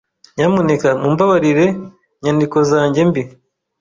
Nyamuneka mumbabarire inyandiko zanjye mbi.